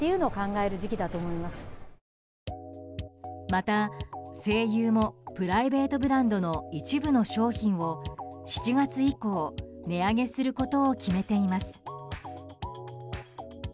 また、西友もプライベートブランドの一部の商品を７月以降値上げすることを決めています。